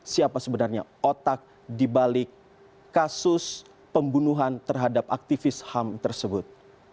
siapa sebenarnya otak dibalik kasus pembunuhan terhadap aktivis ham tersebut